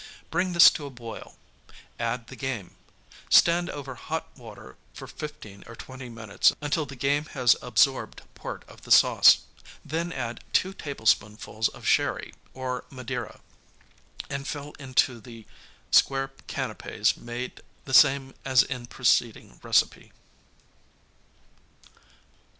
Bring this to a boil, add the game; stand over hot water for fifteen or twenty minutes until the game has absorbed part of the sauce, then add two tablespoonfuls of sherry or Madeira, and fill into the square canapķs made the same as in preceding recipe.